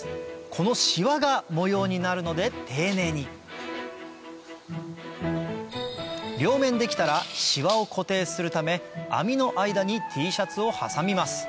このシワが模様になるので丁寧に両面できたらシワを固定するため網の間にＴシャツを挟みます